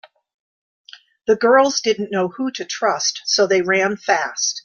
The girls didn’t know who to trust so they ran fast.